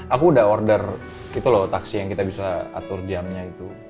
aku udah order gitu loh taksi yang kita bisa atur diamnya itu